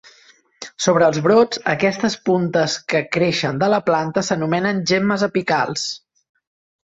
Sobre els brots, aquestes puntes que creixen de la planta s'anomenen gemmes "apicals".